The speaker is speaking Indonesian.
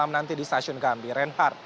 nah malam nanti di stasiun gambi reinhardt